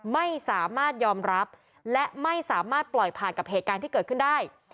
ไม่สามารถยอมรับและไม่สามารถปล่อยผ่านกับเหตุการณ์ที่เกิดขึ้นได้